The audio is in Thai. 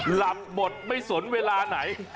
หยุดแบบไหมสนเวลาไหน